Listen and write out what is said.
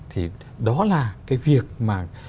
thì đó là cái việc mà